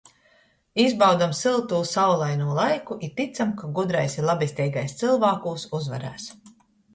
Izbaudam syltū, saulainū laiku i tycam, ka gudrais i labesteigais cylvākūs uzvarēs!...